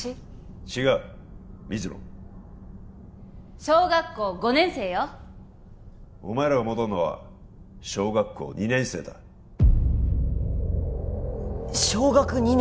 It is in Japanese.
違う水野小学校５年生よお前らが戻るのは小学校２年生だ小学２年！？